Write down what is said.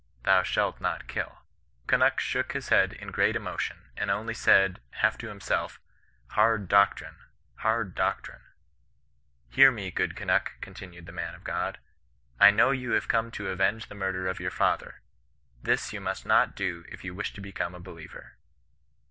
Thou shah not kilC '^ Kunnuk shook his head in great emotion, and only said, half to himself, ^ Hard doctrine; hard doctrine V ^' Hear me, good Kunnuk,' continued the man of God. * I know you have come to avenge the murder of your father ; this you must not do if you wish to become a believer.'